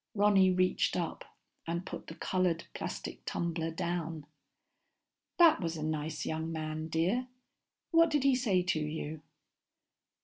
Ronny reached up and put the colored plastic tumbler down. "That was a nice young man, dear. What did he say to you?"